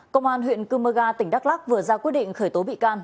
công an huyện cơ mơ ga tỉnh đắk lắc vừa ra quyết định khởi tố bị can